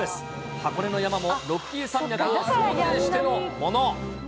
箱根の山もロッキー山脈を想定してのもの。